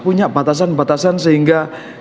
punya batasan batasan sehingga